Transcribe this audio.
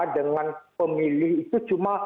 dengan pemilih itu cuma